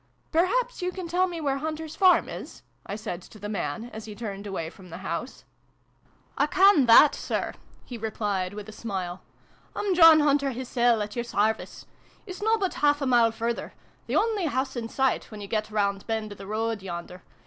" Perhaps you can tell me where Hunter's farm is ?" I said to the man, as he turned away from the house. 56 SYLVIE AND BRUNO CONCLUDED. " I can that, Sir !" he replied with a smile. " I'm John Hunter hissel, at your sarvice. It's nobbut half a mile further the only house in sight, when you get round bend o' the road yonder.